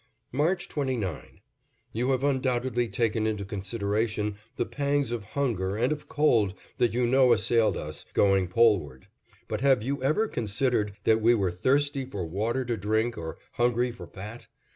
March 29: You have undoubtedly taken into consideration the pangs of hunger and of cold that you know assailed us, going Poleward; but have you ever considered that we were thirsty for water to drink or hungry for fat?